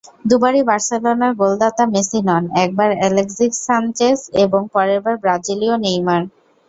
দুবারই বার্সেলোনার গোলদাতা মেসি নন, একবার আলেক্সিস সানচেজ এবং পরেরবার ব্রাজিলীয় নেইমার।